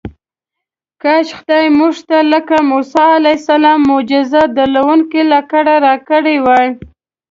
کاش خدای موږ ته لکه موسی علیه السلام معجزې درلودونکې لکړه راکړې وای.